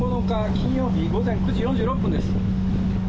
金曜日午前９時４６分です。